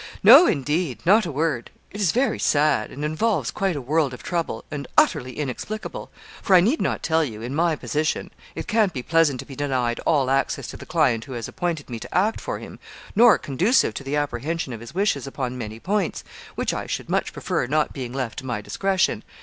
'No, indeed not a word it is very sad, and involves quite a world of trouble and utterly inexplicable; for I need not tell you, in my position, it can't be pleasant to be denied all access to the client who has appointed me to act for him, nor conducive to the apprehension of his wishes upon many points, which I should much prefer not being left to my discretion.